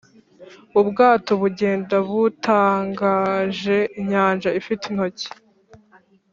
ubwato bugenda butangaje inyanja ifite intoki,